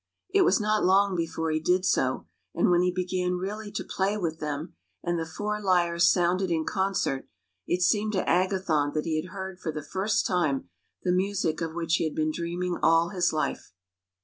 It was not long before he did so, and when he began really to play with them, and the four lyres sounded in concert, it seemed to Agathon that he heard for the first time the music of which he had been dreaming alLhis life.